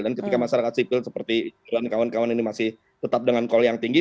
dan ketika masyarakat sipil seperti kawan kawan ini masih tetap dengan koli yang tinggi